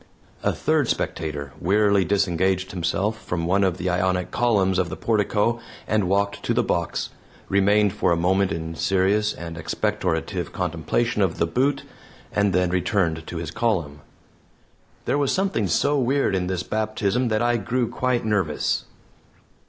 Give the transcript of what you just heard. A third spectator wearily disengaged himself from one of the Ionic columns of the portico and walked to the box, remained for a moment in serious and expectorative contemplation of the boot, and then returned to his column. There was something so weird in this baptism that I grew quite nervous.